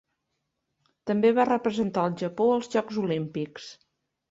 També va representar el Japó al Jocs Olímpics.